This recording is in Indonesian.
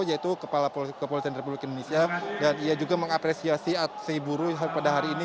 yaitu kepala kepolisian republik indonesia dan ia juga mengapresiasi aksi buruh pada hari ini